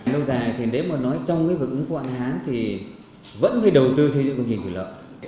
lâu dài thì nếu mà nói trong cái vực ứng phó hạn hán thì vẫn phải đầu tư xây dựng công trình thủy lợi